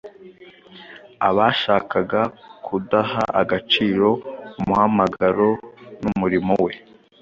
Abashakaga kudaha agaciro umuhamagaro n’umurimo we